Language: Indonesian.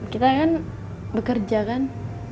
kita kan bekerja kan